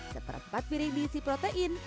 seperempat piring diisi protein